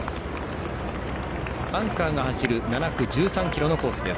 アンカーが走る７区１３ｋｍのコースです。